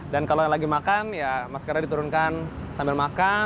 kalau lagi makan ya maskernya diturunkan sambil makan